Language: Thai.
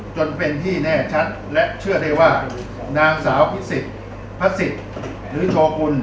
จนเป็นที่แน่ชัดและเชื่อได้ว่านางสาวพิสิทธิ์พระศิษย์หรือโชกุล